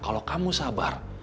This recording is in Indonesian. kalau kamu sabar